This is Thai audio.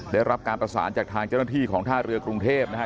ได้รับการประสานจากทางเจ้าหน้าที่ของท่าเรือกรุงเทพนะฮะ